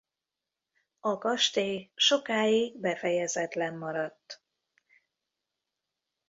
A kastély sokáig befejezetlen maradt.